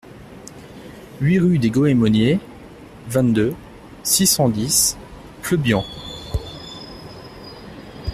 huit rue des Goemoniers, vingt-deux, six cent dix, Pleubian